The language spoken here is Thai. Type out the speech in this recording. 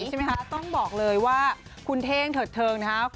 ใช่ไหมคะต้องบอกเลยว่าคุณเท่งเถิดเทิงนะครับ